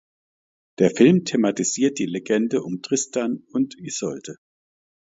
Der Film thematisiert die Legende um Tristan und Isolde.